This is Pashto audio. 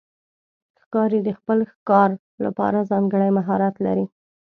ښکاري د خپل ښکار لپاره ځانګړی مهارت لري.